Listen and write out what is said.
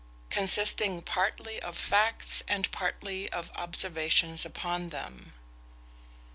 Consisting partly of facts, and partly of observations upon them.